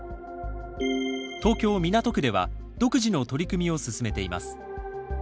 東京・港区では独自の取り組みを進めています。